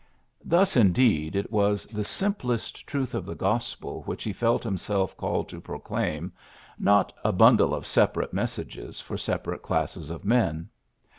'' 52 PHILLIPS BROOKS Thus, indeed, it was the simplest truth of the gospel which he felt himself called to proclaim, not a bundle of separate mes sages for separate classes of men.